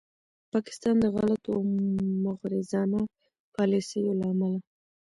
پاکستان د غلطو او مغرضانه پالیسیو له امله